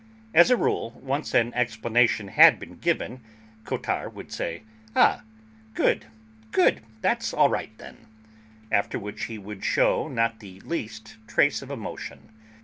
As a rule, once an explanation had been given, Cottard would say: "Ah, good, good; that's all right, then," after which he would shew not the least trace of emotion.